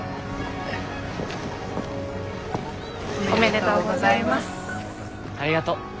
おめでとうございます。ありがと。